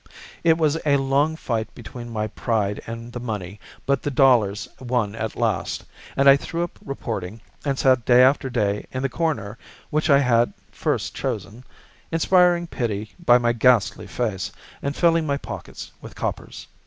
It was a long fight between my pride and the money, but the dollars won at last, and I threw up reporting and sat day after day in the corner which I had first chosen, inspiring pity by my ghastly face and filling my pockets with coppers.